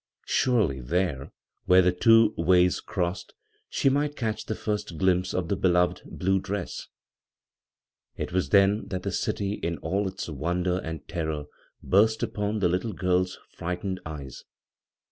Surely there, where the two ways crossed, she might catch the first glimpse of the beloved blue dress. It was then that the city in all its wonder and terror burst upon the little girl's fright ened eyes.